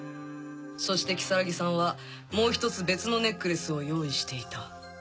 そして如月さんはもう１つ別のネックレスを用意していた。